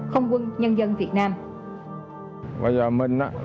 không quân nhân dân việt nam